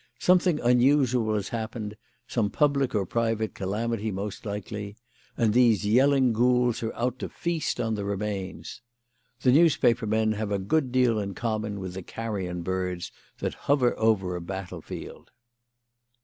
Something unusual has happened: some public or private calamity, most likely, and these yelling ghouls are out to feast on the remains. The newspaper men have a good deal in common with the carrion birds that hover over a battle field."